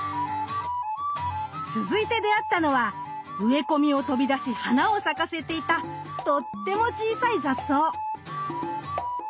続いて出会ったのは植え込みを飛び出し花を咲かせていたとっても小さい雑草！